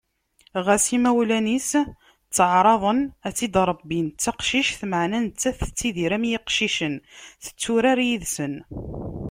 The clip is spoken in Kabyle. Ɣas imawlan-is ttaεraḍen ad tt-id-rebbin d taqcict, meɛna nettat tettidir am yiqcicen: tetturar yid-sen.